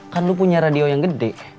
kan lu punya radio yang gede